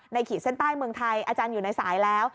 ขีดเส้นใต้เมืองไทยอาจารย์อยู่ในสายแล้ว